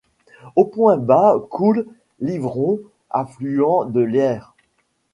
Au point bas coule l'Yvron affluent de l'Yerres.